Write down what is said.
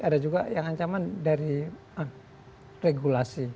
ada juga yang ancaman dari regulasi